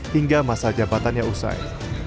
hingga masa jabatannya usai